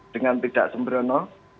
dengan tidak sembrono